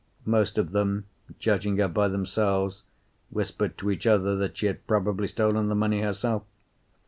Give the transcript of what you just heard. Most of them, judging her by themselves, whispered to each other that she had probably stolen the money herself.